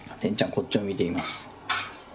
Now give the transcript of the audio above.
こっちを見ています。